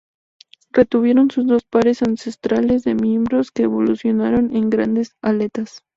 Retuvieron sus dos pares ancestrales de miembros que evolucionaron en grandes aletas.